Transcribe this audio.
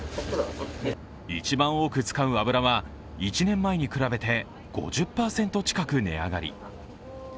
一番多く使う油は、１年前に比べて５０％近く値上がり。